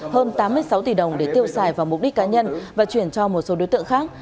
hơn tám mươi sáu tỷ đồng để tiêu xài vào mục đích cá nhân và chuyển cho một số đối tượng khác